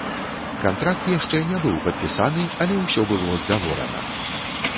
Кантракт яшчэ не быў падпісаны, але ўсё было згаворана.